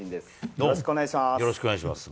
よろしくお願いします。